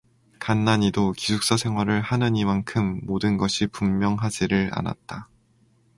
간난이도 기숙사생활을 하느니만큼 모든 것이 분명하지를 않았다.